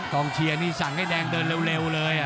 ช่องทีรู้จักให้เดินเร็วเลย